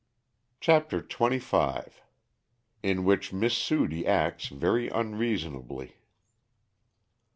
CHAPTER XXV. _In which Miss Sudie Acts very Unreasonably.